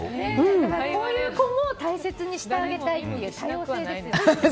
こういう子も大切にしてあげたいっていう。